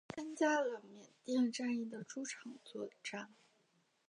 参加了缅甸战役的诸场作战。